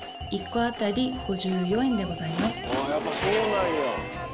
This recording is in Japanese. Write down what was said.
１個当たり５４円でございます。